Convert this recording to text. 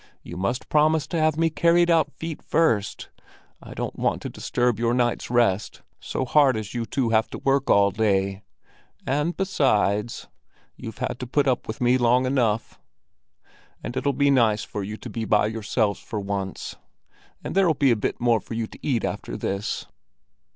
You must promise to have me carried out feet first! I don't want to disturb your night's rest, so hard as you two have to work all day. And, besides, you've had to put up with me long enough, and it'll be nice for you to be by yourselves for once; and there'll be a bit more for you to eat after this."